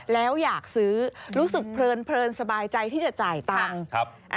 แล้วอยากซื้อรู้สึกเพลินสบายใจที่จะจ่ายตังค์